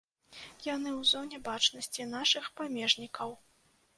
Яны ў зоне бачнасці нашых памежнікаў.